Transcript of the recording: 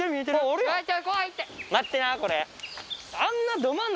待ってなこれ。